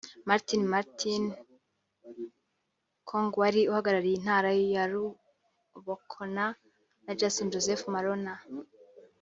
Martin Martin Mabil Kong wari uhagarariye intara ya Rubkona na Justin Joseph Marona